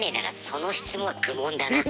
その質問は愚問だな。